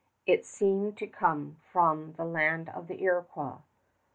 It seemed to come from the land of the Iroquois.